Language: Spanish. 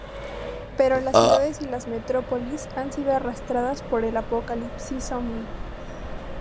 Pero las ciudades y las metrópolis han sido arrasadas por el apocalipsis zombi.